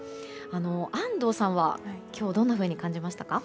安藤さんは今日どんなふうに感じましたか？